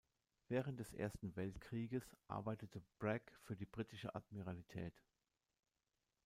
Während des Ersten Weltkrieges arbeitete Bragg für die britische Admiralität.